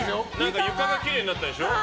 床がきれいになったでしょ。